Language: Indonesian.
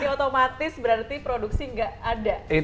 ini otomatis berarti produksi enggak ada sama sekali cil